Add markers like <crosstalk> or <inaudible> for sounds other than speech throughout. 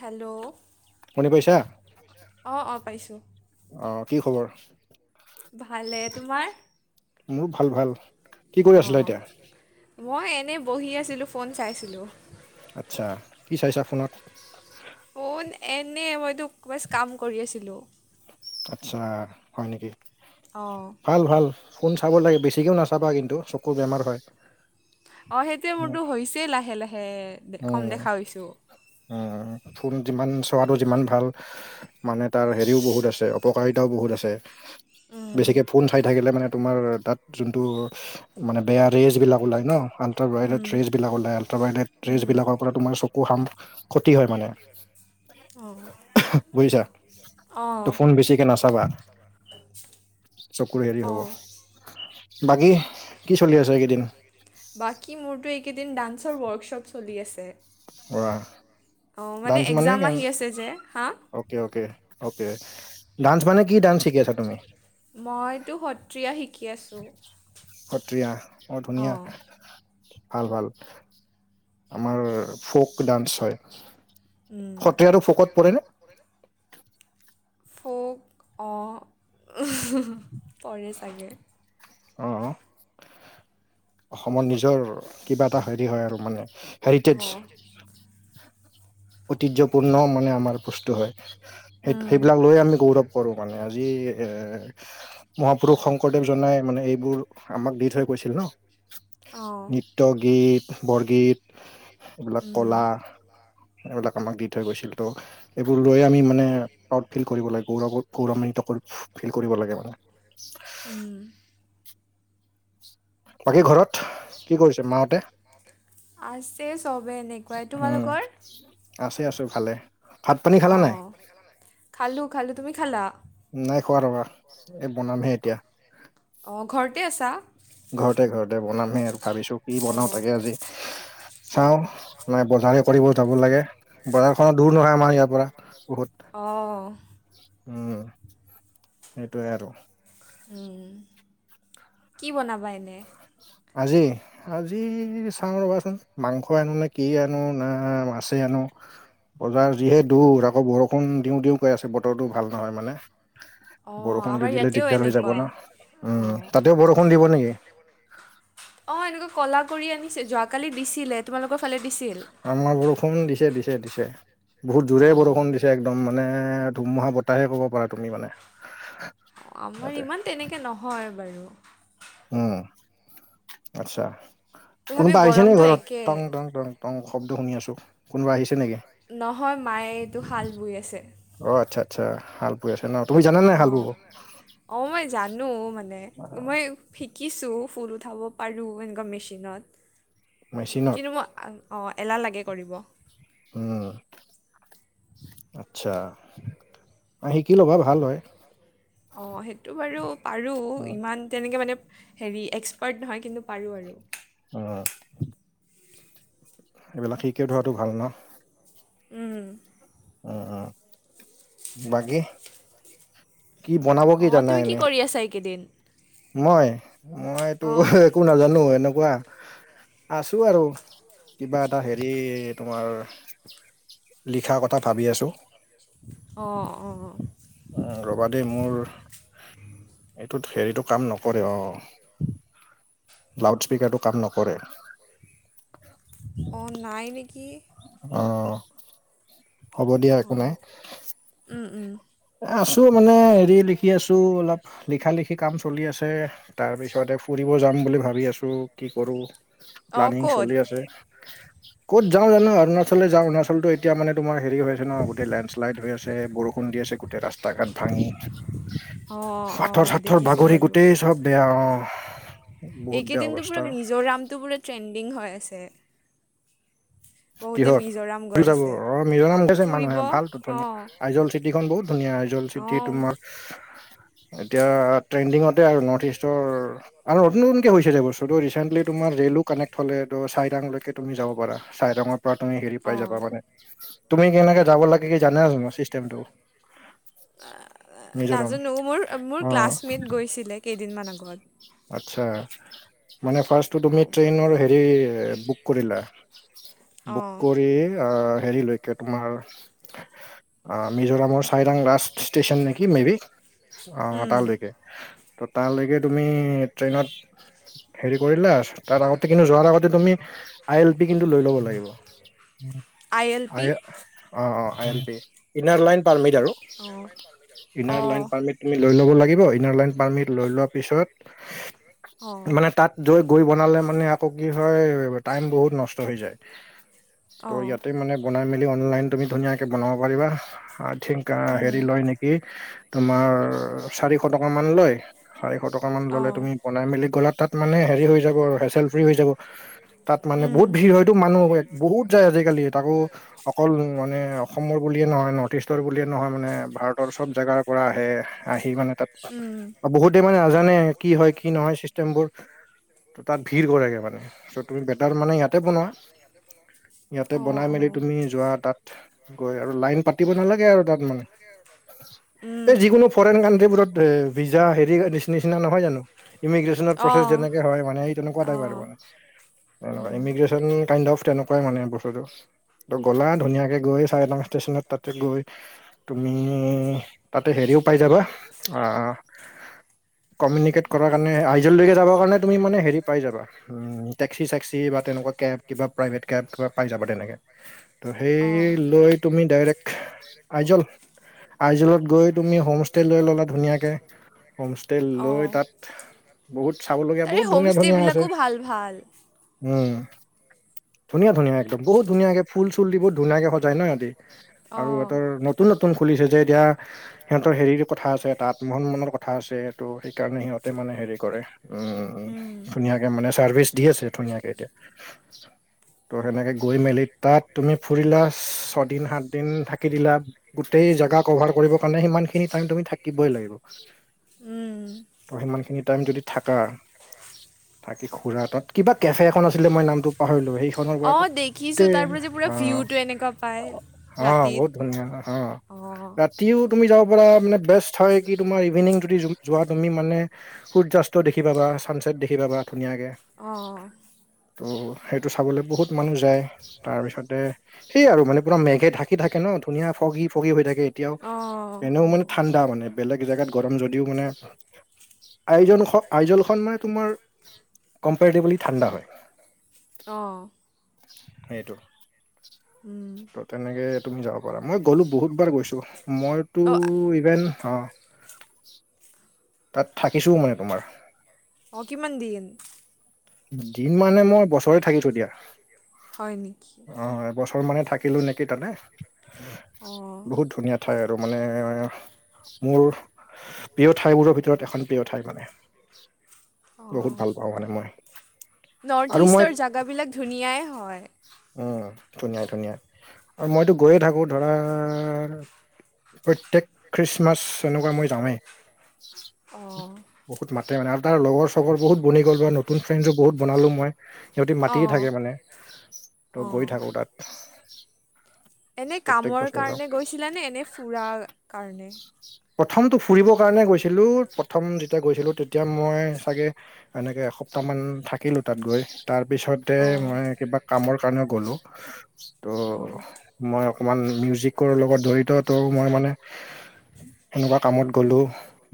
Hello শুনি পাইছা অ', অ' পাইছোঁ। অ কি খবৰ ভালে, তোমাৰ? মোৰ ভাল ভাল। কি কৰি আছিলা অ' এতিয়া মই এনেই বহি আছিলোঁ, ফোন চাইছিলোঁ। আচ্ছা, কি চাইছা ফোনত? ফোন এনে মইতো বাছ কাম কৰি আছিলোঁ। আচ্ছা, হয় নেকি? অ'। ভাল ভাল, ফোন চাব লাগে, বেছিকৈও নাচাবা কিন্তু চকুৰ বেমাৰ হয়। অ' সেইটোয়ে উম মোৰতো হৈছেই লাহে লাহে, কম দেখা হৈছোঁ। উ, ফোন যিমান চোৱাটো যিমান ভাল মানে তাৰ হেৰিও বহুত আছে। অপকাৰিতাও বহুত আছে। বেছিকে ফোন চাই থাকিলে মানে তোমাৰ তাত যোনটো মানে বেয়া ৰেজবিলাক ওলাই ন' আলট্ৰাবাইডে টেছবিলাক ওলাই, আলট্ৰাভাইডেড ট্ৰেছবিলকৰপৰা তোমাৰ চকু খাম ক্ষতি হয় মানে, বুজিছা? অ'। ফোন বেছিকে নাচাবা। চকুৰ হেৰি হ'ব অ'। বাকী কি চলি আছে এইকেইদিন? বাকী মোৰতো এইকেইদিন ডান্সৰ ৱৰ্কশ্বপ চলি আছে। পুৰা অ' মানে ডান্স একজাম কেন- আহি আছে যে। হা? Okay okay, okay. ডান্স মানে কি ডান্স শিকি আছা তুমি? মইতো সত্ৰীয়া শিকি আছোঁ, সত্ৰীয়া ধুনীয়া অ'। ভাল ভাল। আমাৰ ফ'ক ডান্স হয়। উম। সত্ৰীয়াটো ফকত পৰেনে <unintelligible> ফোক, অ' পৰে চাগে। অ'। অসমৰ নিজৰ কিবা এটা হেৰি হয় আৰু মানে হেৰিটেজ। <inaudible> ঐতিহ্যপূৰ্ণ মানে আমাৰ বস্তু হয়, সেই উম সেইবিলাক লৈয়ে আমি গৌৰৱ কৰোঁ মানে। আজি এ মহাপুৰুষ শংকৰদেৱ জনাই মানে এইবোৰ আমাক দি থৈ গৈছিল অঁ ন'। নৃত্য, গীত, বৰগীত এইবিলাক উম কলা। এইবিলাক আমাক দি থৈ গৈছিল ত' এইবোৰ লৈয়ে আমি মানে <unintelligible> ফিল কৰিব লাগে, গৌৰৱ গৌৰমিত কৰি ফিল কৰিব লাগে মানে। উম। বাকী ঘৰত? বাকী কি কৰিছে মাহঁতে ঘৰত মাহঁতে? আছে চবে এনেকুৱাই। উম তোমালোকৰ? আছে আছে, ভালে। ভাত পানী অ'। খালা নাই ভাত পানী খালা নাই? খালোঁ খালোঁ, তুমি খালা? নাই খোৱা ৰ'বা, এই বনামহে এতিয়া। অ' ঘৰতে আছা? ঘৰতে ঘৰতে বনামহে, ভাবিছোঁ কি বনাও অঁ তাকে আজি। চাওঁ মানে বজাৰে কৰিব যাব লাগে, বজাৰখন দূৰ নহয় আমাৰ ইয়াৰপৰা। বহুত। অ'। উম, সেইটোৱে আৰু। উম, কি বনাবা এনে? আজি আজি চাওঁ ৰ'বাচোন মাংস আনো নে কি আনো না মা ছে আনো। বজাৰ যিহে দূৰ আকৌ বৰষুণ দিওঁ দিওঁ কৰি আছে বতৰটো ভাল নহয় মানে। অঁ বৰষুণ আমাৰ দি দিলে ইয়াতেও দিগদাৰ হৈ যাব এনেকুৱা ন উম, অঁ তাতেও বৰষুণ দিব নেকি? অঁ এনেকুৱা ক'লা কৰি আনিছে যোৱাকালি দিছিলে। তোমালোকৰ ফালে দিছিল আমাৰ বৰষুণ দিছে দিছে দিছে বহুত জোৰে অঁ বৰষুণ দিছে একদম মা নে ধুমুহা বতাহে ক'ব পাৰা তুমি মানে আমাৰ ইয়াতে ইমান তেনেকে নহয় বাৰু। উম, আচ্ছা। তথাপিও কোনোবা আহিছে নি গৰমটো ঘৰত? একে টং টং টং টং শব্দ শুনি আছোঁ। কোনোবা আহিছে নেকি? নহয় মায়ে এইটো শাল বৈ আছে। অ' আচ্ছা আচ্ছা হাল বৈ আছে ন, তুমি জানা নাই হাল ব'ব? অ মই জানো মানে মই শিকিছোঁ ফুল উঠাব পাৰোঁ এনেকুৱা মেচিনত মেচিনত কিন্তু মই অঁ এলাহ লাগে কৰিব। উম। আচ্ছা, শিকি ল'বা ভাল হয়। অ সেইটো বাৰু পাৰো উম ইমান তেনেকৈ মানে হেৰি এক্সপাৰ্ট নহয় কিন্তু পাৰোঁ আৰু অঁ এইবিলাক শিকি থোৱাটো ভাল ন। উম। উম উম, বাকী? কি বনাব কি অঁ জানা তুমি এনে? কৰি আছা এইকেইদিন মই মইটো অঁ একো নাজানো এনেকুৱা আছো আৰু কিবা এটা হেৰি তোমাৰ লিখা কথা ভাবি আছোঁ। অঁ অঁ উম ৰ'বা দেই মোৰ এইটোত হেৰিটো কাম নকৰে অঁ লাউডস্পকাৰটো কাম নকৰে। অঁ নাই নেকি। অ' হ'ব দিয়া একো নাই অ' উম উম। আছো মানে হেৰি লিখি আছো অলপ লিখা লিখি কাম চলি আছে। তাৰপিছতে ফুৰিব যাম বুলি ভাবি আছো কি কৰো অঁ প্লানিং ক'ত চলি আছে। ক'ত যাওঁ জানো অৰুণাচলে যাওঁ অৰুণাচলতো এতিয়া মানে তোমাৰ হেৰি হৈ আছে ন গোটেই লেণ্ডশ্লাইড হৈ আছে, বৰষুণ দি আছে গোটেই ৰাস্তা ঘাট ভাঙি। অঁ পাথৰ অঁ চাথৰ দেখিছোঁ বাগৰি গোটেই চব বেয়া অঁ। এইকেইদিনটো পুৰা মিজোৰামটো পুৰা ট্ৰেণ্ডিং হৈ আছে। বহুতে কিহত মিজোৰাম গৈ আছে অ' মিজোৰাম গৈছে ফুৰিব মানুহে ভালটো অ ধুনীয়া, আইজল চিটিখন বহুত ধুনীয়া আইজল চিটি অ তোমাৰ, এতিয়া ট্ৰেন্দিংতে আৰু নৰ্থ ইষ্টৰ আৰু নতুন নতুনকে হৈছে যে বস্তুটো ৰিচেণ্টলি তোমাৰ ৰেলো কানেক্ট হ'লে। চাৰিটাং লৈকে তুমি যাব পাৰা চাৰিটাঙৰ পৰা তুমি হেৰি অ পাই যাবা মানে। তুমি কেনেকে যাব লাগে কি জানাই চোন চিষ্টেমটো। <unintelligible> মিজোৰাম নাজানো মোৰ-মোৰ অ ক্লাছমেট গৈছিলে কেইদিনমান আগত। আচ্ছা! মানে ফাৰ্ষ্টটো তুমি অ ট্ৰেইনৰ হেৰি বুক কৰিলা? <unintelligible> অ বুক কৰি আহ হেৰি লৈ <unintelligible> কে তোমাৰ <unintelligible> আহ মিজোৰামৰ চাইৰাং ৰাজ ষ্টেচন নেকি মেবি অঁ উম তালৈকে? <unintelligible> ত তাৰলৈকে তুমি ট্ৰেইনত হেৰি কৰিলা <unintelligible> তাৰ আগতে কিন্তু যোৱাৰ আগতে তুমি আই এল পিক <unintelligible> লৈ লব লাগিব। <unintelligible> আই এল পি অ-অ, আইএলপি <unintelligible> পাৰ্মিট আৰু <unintelligible> অঁ ইনাৰ অঁ লাইন পাৰ্মিট তুমি লৈ ল'ব লাগিব। ইনাৰ লাইন পাৰ্মিট লৈ লোৱাৰ পিছত <unintelligible> অঁ মানে তাত গৈ-গৈ বনালে মানে আকৌ কি হয় টাইম বহুত নষ্ট <unintelligible> হৈ যায়। ত অঁ ইয়াতে মানে বনাই মেলি অনলাইন তুমি ধুনীয়া <unintelligible> <unintelligible> বনাব পাৰিবা। আই থিং অঁ হেৰি লয় নেকি? <unintelligible> তোমাৰ চাৰিশ টকা মান লয়। চাৰিশ টকা মান অঁ ললে অঁ তুমি <unintelligible> বনাই মেলি গ'লা তাত মানে হেৰি হৈ যাব হেচেল ফ্ৰী হৈ যাব। তাত মানে <unintelligible> বহুত ভিৰ হয়তো মানুহ বহুত যায় আজিকালি তাকো অকল মানে অসমৰ বুলিয়ে নহয় <unintelligible> নৰ্থ ইষ্টৰ বুলিয়ে নহয় মানে ভাৰতৰ সব জেগাৰ পৰা আহে মানে আহি মানে তাত <unintelligible> বহুত বহুতে মানে নাজানে কি হয় কি নহয় চিষ্টেমবোৰ? ত তাত ভিৰ কৰে গে মানে। <unintelligible> চ তুমি বেটাৰ মানে ইয়াতে বনোৱা ইয়াতে বনাই মেলি তুমি যোৱা তাত <unintelligible> গৈ আৰু লাইন পাতিব নালাগে আৰু তাত মানে। <unintelligible> এই যিকোনো ফৰেন কানট্ৰিবোৰত এ ভিজা হেৰি নিচিনা নহয় জানো? <unintelligible> ইমিগজেছনৰ প্ৰচেছ যেনেকে হয় মানে তেনেকুৱা টাইপ আৰু অঁ মানে। <unintelligible> ইমিগ <unintelligible> <unintelligible> কাইণ্ট অফ তেনেকুৱাই মানে বস্তুটো। ত গ'লা ধুনীয়া <unintelligible> গৈ চাই লাং ষ্টেচনত তাতে গৈ তুমি তাতে হেৰিও পাই যাবা আহ <unintelligible> কমিউনিকেট কৰাৰ কাৰণে আইজেললৈকে যাব কাৰণে তুমি হেৰি পাই যাবা। <unintelligible> উম! টেক্সি-চেক্সি বা তেনেকুৱা কেব, কিবা প্ৰাইভেট কেব কিবা পাই যাবা তেনেকে। <unintelligible> ত' অঁ অঁ সেই লৈ তুমি ডাইৰেক্ট আইজল <unintelligible> আইজলত গৈ তুমি হোমষ্টে' লৈ ল'লা ধুনীয়াকে। হোমষ্টে লৈ অঁ তাত <unintelligible> বহুত চাবলগীয়া তাৰে বহুত ধুনীয়া-ধুনীয়া আছে। হোমষ্টেবিলাকো <inaudible> ভাল ভাল। <inaudible> উম! ধুনীয়া-ধুনীয়া। <unintelligible> বহুত ধুনীয়াকে ফুল-চুল দি বহুত ধুনীয়াকে সজায় ন সিহঁতি আৰু ইহঁতৰ <unintelligible> নতুন-নতুন খুলিছে যে এতিয়া সিহঁতৰ হেৰি কথা আছে, এটা মান-সন্মনৰ ক <unintelligible> কথা আছেটো সেইকাৰণে সিহঁতে মানে হেৰি কৰে, উম <unintelligible> ধুনীয়াকে মানে চাৰ্ভিচ দি আছে ধুনীয়াকে এতিয়া। ত' সেনেকে <unintelligible> গৈ মেলি তাত তুমি ফুৰিলা ছয়দিন, সাতদিন থাকি দিলা। <unintelligible> গোটেই জেগা কভাৰ কৰিবৰ কাৰণে সিমানখিনি টাইম তুমি থাকিবই লাগিব। <unintelligible> উম। <inaudible> ত সিমানখিনি টাইম যদি থাকা, থাকি খুৰা তাত কিবা কেফে <unintelligible> খন আছিলে মই নামটো পাহৰিলোঁ সেইখনৰ পৰা অঁ দেখিছোঁ গোটেই তাৰ পৰা যে পুৰা আহ ভিউটো এনেকুৱা পায় <unintelligible> অঁ! ৰাতিত বহুত ধুনীয়া অঁ। <unintelligible> অঁ। <unintelligible> ৰাতিও তুমি যাব পৰা মানে বেষ্ট হয় কি তোমাৰ ইভিনিং যদি যোৱা তুমি মানে সূৰ্য্যা <unintelligible> <unintelligible> দেখি পাবা, চানচছেট দেখি পাবা ধুনীয়াকে। <inaudible> অঁ ত' সেইটো চাবলে বহুত মানুহ যায় তাৰপিছতে সেই আৰু মানে পুৰা মেঘে ঢাকি ঢাকে ন ধুনীয়া ফগি ফগি হৈ থাকে এতিয়াও। অঁ এনেও মানে অঁ ঠাণ্ডা মানে বেলেগ জেগাত গৰম যদিও মানে আইনজখ আইজনলখন মানে তোমাৰ কম্পেৰিটিভেলি ঠাণ্ডা হয়। অ সেইটো উম ত' তেনেকে তুমি যাব পাৰা মই গ'লোঁ বহুতবাৰ গৈছোঁ মইতো অঁ ইভেন অ তাত থাকিছোও মানে তোমাৰ। অ কিমান দিন? দিন মানে মই বছৰে থাকিছো দিয়া। হয় নেকি অ এবছৰ মানে থাকিলো নেকি তাতে অঁ বহুত ধুনীয়া। ঠাই আৰু মানে মোৰ প্ৰিয় ঠাইবোৰৰ ভিতৰত এখন প্ৰিয় ঠাই মানে অঁ বহুত ভাল পাওঁ মানে মই। নৰ্থ আৰু মই ইষ্টাৰ জেগাবিলাক ধুনীয়াই হয়। উম ধুনীয়া ধুনীয়া আৰু মইতো গৈয়ে থাকো ধৰা প্ৰত্যেক খ্ৰীষ্টমাছ এনেকুৱা মই যাওৱে অঁ বহুত মাতে মানে আৰু তাৰ লগৰ চগৰ বহুত বনি গ'ল পোৰা নতুন ফ্ৰেণ্ডো বহুত বনালো মই সিহঁতি মাতিয়ে অঁ থাকে মানে। ত গৈ থাকো তাত। এনেই প্ৰত্যেক কামৰ বছৰে যাওঁ কাৰণে গৈছিলা নে নে ফুৰাৰ কাৰণে প্ৰথমটো ফুৰিবৰ কাৰণে গৈছিলোঁ প্ৰথম যেতিয়া গৈছিলোঁ তেতিয়া মই চাগে এনেকে এসপ্তাহমান থাকিলোঁ তাত গৈ তাৰপিছত তে অঁ মই কিবা কামৰ কাৰণে গলো অঁ ত' মই অকণমান মিউজিকৰ লগত জড়িত ত মই মানে সেনকা কামত গলো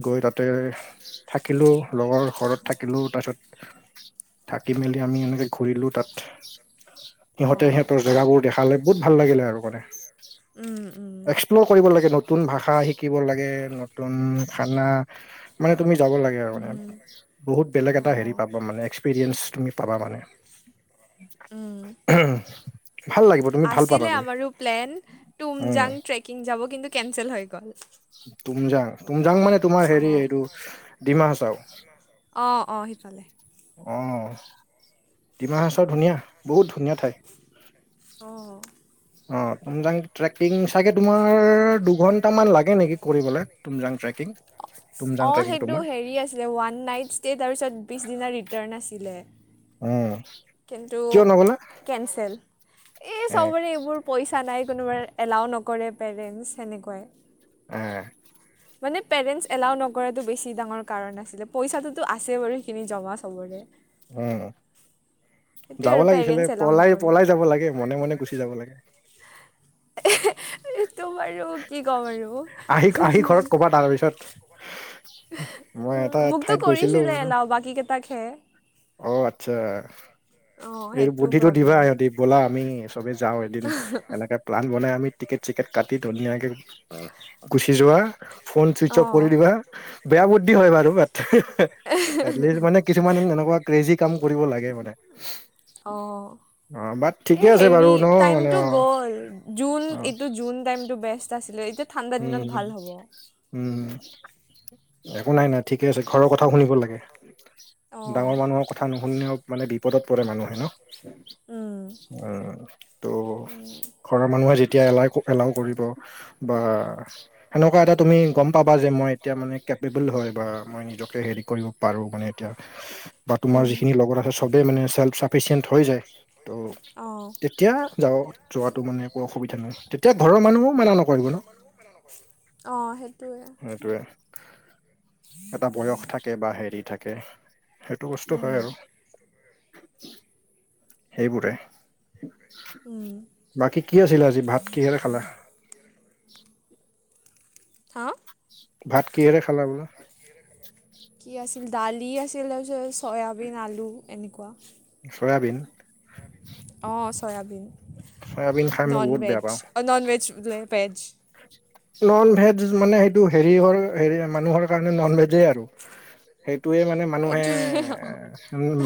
গৈ তাতে থাকিলো লগৰ ঘৰত থাকিলো তাৰপিছত থাকি মেলি আমি এনেকে ঘূৰিলো তাত সিহঁতে অঁ সিহঁতৰ জেগাবোৰ দেখালে বহুত ভাল লাগিলে আৰু মানে। উম উম এক্সপ্ল'ৰ কৰিব লাগে নতুন ভাষা শিকিব লাগে, নতুন খানা মানে তুমি যাব লাগে আৰু উম মানে বহুত বেলেগ এটা হেৰি অঁ পাব মানে এক্স- পিৰিয়েঞ্চ তুমি পাব মানে। উম ভাল লাগিব তুমি ভাল আছিলে পাবাগৈ আমাৰো প্লেন উম তুমজাং ট্ৰেক কিন যাব কিন্তু কেনচেল হৈ গ'ল। তুমজাং তুমজাং মানে তোমাৰ অ হেৰি এইটো অ অ সিফালে ডিমাহাচাও অ। ডিমাহাচাও ধুনীয়া বহুত ধুনীয়া ঠাই। অ অ তুমজাং ট্ৰেকিং চাগে তোমাৰ দুঘন্টামান লাগে নেকি কৰিবলে তুমজাং ট্ৰেকিং তুমজাং অ ট্ৰেকিং সেইটো তোমাৰ হেৰি আছিলে ওৱান নাইট ষ্টেট তাৰপিছত বিছ দিনা ৰিটাৰ্ণ আছিলে। উম কিন্তু কিয় নগলা কেঞ্চেল এই এ চবৰে এইবোৰ পইচা নাই কোনোবাই এলাউ নকৰে পেৰেণ্টছ সেনেকুৱাই এহ মানে পেৰেণ্টছ এলাও নকৰাটো বেছি ডাঙৰ কাৰণ আছিলে পইচাটোতো আছে বাৰু সেইখিনি জগা চাবলে উম যাব আৰু লাগিছিলে পেৰেণ্টছ এলাও পলাই নকৰে পলাই যাব লাগে মনে মনে গুচি যাব লাগে এইতো বাৰু কি কম আৰু আহি হুহো আহি ঘৰত ক'বা তাৰপিছত মই এটা মোকতো ঠাইত গৈছিলো কৰিছিলে এলাও বাকী কেইটাক হে অ আচ্ছা অ' এই সেইটো বুদ্ধিটো দিবা প্ৰব্লেম সিহঁতি ব'লা আমি চবেই যাও এদিন এনেকে প্লান বনাই আমি টিকেট চিকেট কাটি ধুনীয়াকৈ গুচি যোৱা ফোন চুইচ অফ কৰি অ' দিবা বেয়া বুদ্ধি হয় বাৰু বাট এটলিষ্ট মানে কিছুমান এনেকুৱা ক্ৰেজি কাম কৰিব লাগে মানে অ অ বাট এ ঠিকে আছে হেৰি বাৰু ন মানে টাইমতো অ গ'ল জুন অ এইটো জুন টাইমতটো বেষ্ট আছিলে এতিয়া ঠাণ্ডা উম দিনত ভাল হ'ব উম একো নাই নাই ঠিকে আছে ঘৰৰ কথাও শুনিব লাগে অ' ডাঙৰ মানুহৰ কথা নুশুনিল অ মানে বিপদত পৰে মানুহে ন উম, ত' উম, ঘৰৰ মানুহে যেতিয়া এলাই এলাউ কৰিব বা সেনেকুৱা এ তুমি গম পাবা যে মই এতিয়া মান কেবল হয় বা মই নিকে হে কৰিব পাৰো মানে এতিয়া বা তোমাৰ উম, যিখিনি লগত আছে সবেই মানে সেলফ চাফিচিয়েণ্ট হৈ যায় ত' অ' তেতিয়া যাও যোৱাটো মানে একো অসুবিধা নাই তেতিয়া ঘৰৰ মানুহো মনা নকৰিব ন <unintelligible> অঁ সেইটোৱে হেতুয়ে এটা বয়স থাকে বা হেৰি থাকে সেইটো বসষ্টু হয় উম, আৰু সেইবোৰে উম, বাকী কি আছিলে আজি ভাত কিহেৰে খালে হা ভাত কিহেৰে খালা বুলো কি আছিল দালি আছিল তাৰপিছত চয়াবিন আলু এনেকুৱা চয়াবিন অঁ চয়াবিন চয়াবিন খাই মই বহুত বেয়া ননভেজ পাওঁ ননবেজ বোলে ভেজ নন ভেজ মানে সেইটো হেৰি হে মানুহৰ কাৰণে নন ভেজে আৰু ম সেইটোৱে মানে মানুহে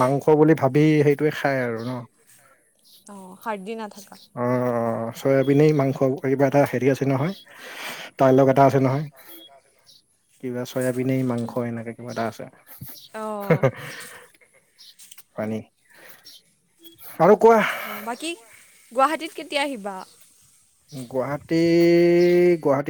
মাংস বুলি ভাবি সেইটোৱে খায় আৰু ন অঁ সাদদি নাথাকা অ অ চয়াবিনেই মাংস কিবা এটা হেৰি আছে নহয় টাইলক এটা আছে নহয় কিবা চয়াবিনেই কি মাংস এনেকে কিবা এটা আছে অঁ অ হয়নী আৰু ক অ বাকী গুৱাহাটীত কেতিয়া আহিবা গুৱাহাটী গুৱাহাটী